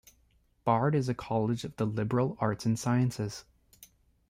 Bard is a college of the liberal arts and sciences.